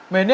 mến đấy à